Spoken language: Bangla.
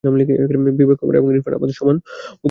বিবেক কুমার এবং ইরফান আহমেদ সমান অধিকার পাওয়ার যোগ্য।